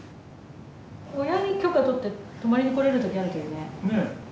親に許可取って泊まりに来れる時あるといいね。